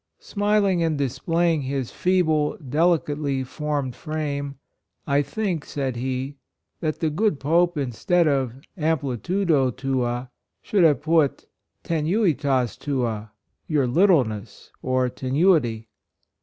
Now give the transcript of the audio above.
Smiling and displaying his fee ble, delicately formed frame, " I think," said he, "that the good Pope, instead of 'amplitude* tuaj should have put tenuitas tua" — your littleness or tenuity.